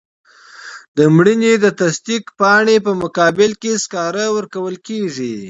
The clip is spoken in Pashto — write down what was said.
د مړینې د تصدیق پاڼې په مقابل کې سکاره ورکول کیږي.